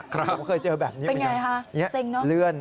ผมเคยเจอแบบนี้เป็นอย่างไร